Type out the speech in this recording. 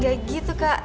gak gitu kak